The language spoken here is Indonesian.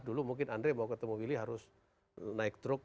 dulu mungkin andre mau ketemu willy harus naik truk